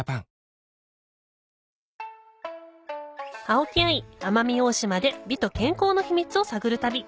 青木愛奄美大島で美と健康の秘密を探る旅